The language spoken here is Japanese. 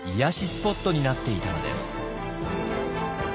スポットになっていたのです。